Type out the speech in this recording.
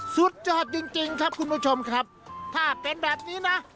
สุดยอดจริงจริงครับคุณผู้ชมครับถ้าเป็นแบบนี้นะ